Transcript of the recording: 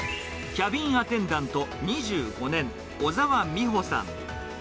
キャビンアテンダント２５年、小澤美保さん。